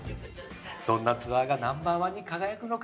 どんなツアーがＮｏ．１に輝くのか？